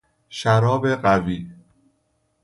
شراب قوی